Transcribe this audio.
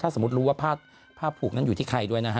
สมมุติรู้ว่าผ้าผูกนั้นอยู่ที่ใครด้วยนะฮะ